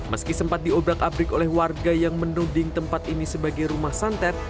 meski sempat diobrak abrik oleh warga yang menuding tempat ini sebagai rumah santet